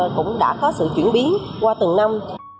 cũng đã có sự chuyển biến qua từng năm